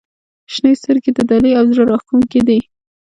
• شنې سترګې د دلې او زړه راښکونکې دي.